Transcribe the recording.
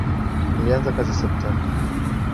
Nilianza kazi Septemba